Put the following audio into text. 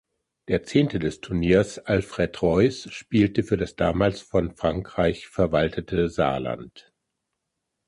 Der Zehnte des Turniers Alfred Reus spielte für das damals von Frankreich verwaltete Saarland.